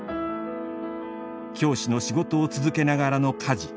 教師の仕事を続けながらの家事。